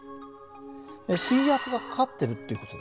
水圧がかかってるっていう事だよね。